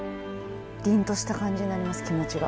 凛とした感じになります気持ちが。